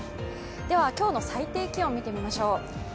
今日の最低気温を見てみましょう。